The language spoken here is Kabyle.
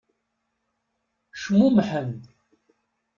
Cmumḥen.